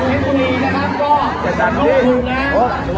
ขอบคุณมากนะคะแล้วก็แถวนี้ยังมีชาติของ